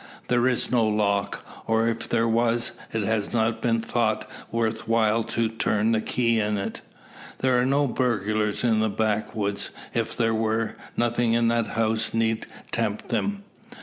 There is no lock, or if there was, it has not been thought worth while to turn the key in it. There are no burglars in the backwoods. If there were, nothing in that house need tempt them.